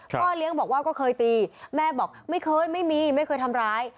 พ่อเลี้ยงบอกว่าก็เคยตีแม่บอกไม่เคยไม่มีไม่เคยทำร้าย